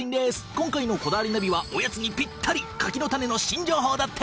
今回の『こだわりナビ』はおやつにぴったり柿の種の新情報だって。